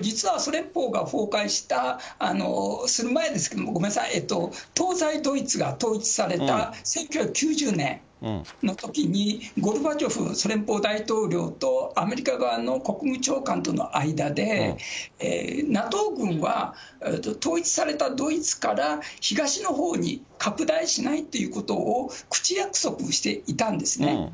実はソ連邦が崩壊した、する前ですけれども、ごめんなさい、東西ドイツが統一された１９９０年のときに、ゴルバチョフソ連邦大統領と、アメリカ側の国務長官との間で、ＮＡＴＯ軍は統一されたドイツから東のほうに拡大しないっていうことを、口約束していたんですね。